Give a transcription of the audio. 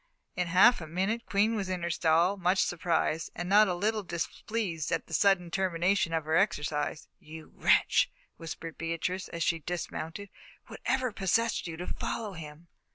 In half a minute Queen was in her stall, much surprised, and not a little displeased at the sudden termination of her exercise. "You wretch," whispered Beatrice, as she dismounted; "whatever possessed you to follow him?"